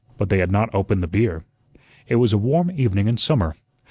But they had not opened the beer. It was a warm evening in summer.